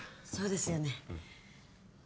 そうですよね